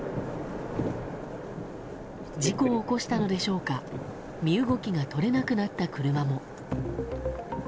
事故を起こしたのでしょうか身動きが取れなくなった車も。